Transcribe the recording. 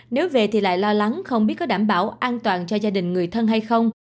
nếu về thì lại lo lắng không biết có đảm bảo an toàn cho gia đình người thân hay không